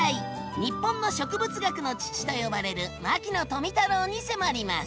「日本の植物学の父」と呼ばれる牧野富太郎に迫ります！